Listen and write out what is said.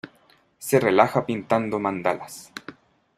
Se relaja pintando mandalas.